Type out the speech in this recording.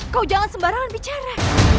kau jangan sembarangan bicara